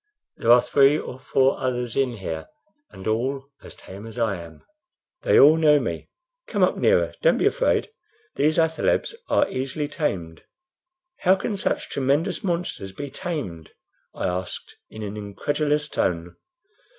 There are three or four others in here, and all as tame as I am. They all know me. Come up nearer; don't be afraid. These athalebs are easily tamed." "How can such tremendous monsters be tamed?" I asked, in an incredulous tone.